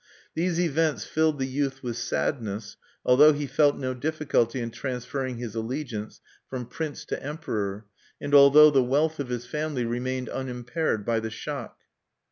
These events filled the youth with sadness, although he felt no difficulty in transferring his allegiance from prince to emperor, and although the wealth of his family remained unimpaired by the shock.